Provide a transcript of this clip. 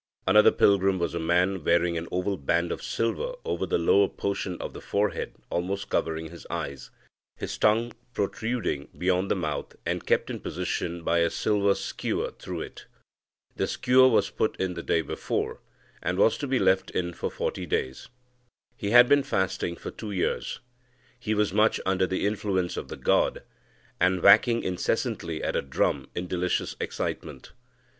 Another pilgrim was a man wearing an oval band of silver over the lower portion of the forehead, almost covering his eyes; his tongue protruding beyond the mouth, and kept in position by a silver skewer through it. The skewer was put in the day before, and was to be left in for forty days. He had been fasting for two years. He was much under the influence of the god, and whacking incessantly at a drum in delicious excitement.